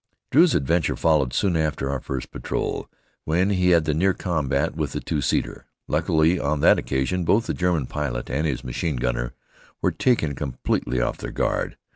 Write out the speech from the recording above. Drew's adventure followed soon after our first patrol, when he had the near combat with the two seater. Luckily, on that occasion, both the German pilot and his machine gunner were taken completely off their guard.